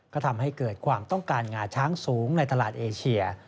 ก็ทำให้เกิดความต้องการงาช้างสูงในตลาดเอเชีย